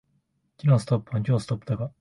昨日はストップ安、今日はストップ高